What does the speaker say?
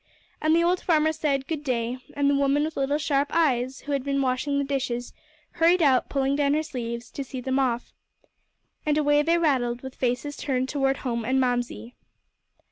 And the old farmer said "Good day," and the woman with little sharp eyes, who had been washing the dishes, hurried out, pulling down her sleeves, to see them off. And away they rattled, with faces turned toward home and Mamsie.